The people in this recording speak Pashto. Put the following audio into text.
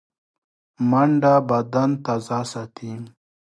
منډه بدن تازه ساتي